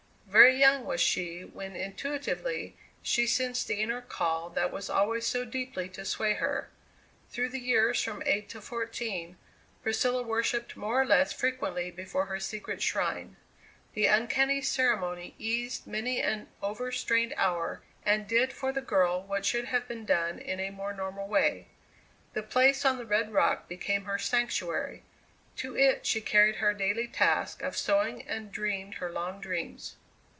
Very young was she when intuitively she sensed the inner call that was always so deeply to sway her. Through the years from eight to fourteen Priscilla worshipped more or less frequently before her secret shrine. The uncanny ceremony eased many an overstrained hour and did for the girl what should have been done in a more normal way. The place on the red rock became her sanctuary. To it she carried her daily task of sewing and dreamed her long dreams.